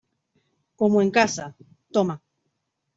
como en casa. toma .